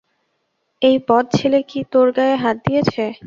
এই বদ ছেলে কি তোর গায়ে হাত দিয়েছে?